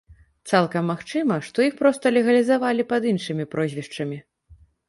Цалкам магчыма, што іх проста легалізавалі пад іншымі прозвішчамі.